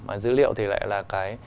mà dữ liệu thì lại là cái